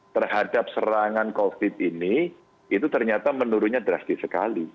terhadap serangan covid ini itu ternyata menurunnya drastis sekali